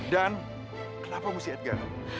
dan kenapa mesti edgar